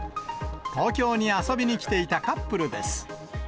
東京に遊びに来ていたカップルです。